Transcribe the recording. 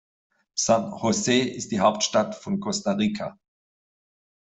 San José ist die Hauptstadt von Costa Rica.